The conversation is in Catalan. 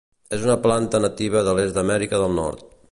És una planta nativa de l'est d'Amèrica del Nord.